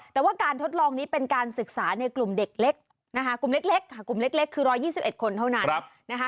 แต่ว่าการทดลองนี้เป็นการศึกษาในกลุ่มเล็กคือ๑๒๑คนเท่านั้น